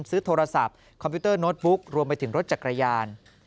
ซื้อโทรศัพท์คอมพิวเตอร์โน้ตบุ๊กรวมไปถึงรถจักรยาน